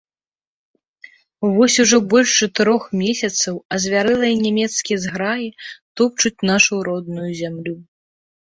Вось ужо больш чатырох месяцаў азвярэлыя нямецкія зграі топчуць нашу родную зямлю.